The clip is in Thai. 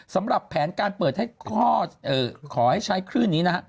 สำหรับแผนการเปิดให้ขอให้ใช้คลื่นนี้นะฮะ